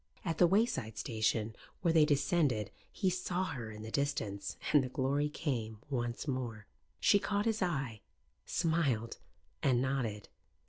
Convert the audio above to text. At the wayside station where they descended he saw her in the distance, and the glory came once more. She caught his eye, smiled and nodded.